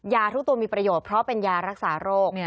ทุกตัวมีประโยชน์เพราะเป็นยารักษาโรค